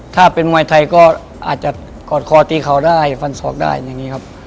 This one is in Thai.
ถ้าเป็นมวยไทยก็อาจจะกอดคอตีเขาได้ฟันศอกได้อย่างนี้ครับ